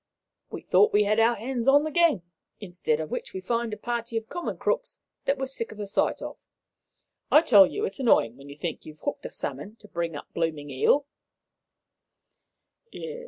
We thought we had our hands on the gang, instead of which we find a party of common crooks that we're sick of the sight of. I tell you, sir, it's annoying when you think you've hooked a salmon, to bring up a blooming eel."